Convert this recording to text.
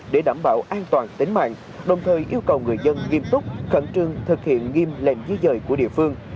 để đảm bảo an toàn tính mạng đồng thời yêu cầu người dân nghiêm túc khẩn trương thực hiện nghiêm lệnh di dời của địa phương